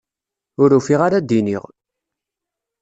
Ur ufiɣ ara d-iniɣ.